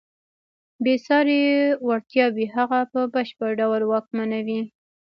بېساري وړتیاوې هغه په بشپړ ډول واکمنوي.